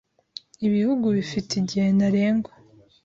Ibihugu bifite igihe ntarengwa